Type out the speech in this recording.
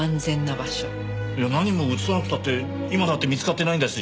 いや何も移さなくたって今だって見つかってないんだし。